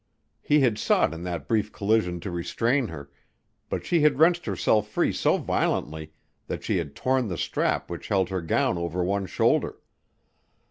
He had sought in that brief collision to restrain her, but she had wrenched herself free so violently that she had torn the strap which held her gown over one shoulder.